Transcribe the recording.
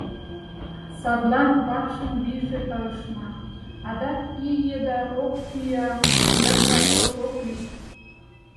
Садлан вакшын вийже талышна, адак ий еда рок пӱя пӱяш расход ок лий.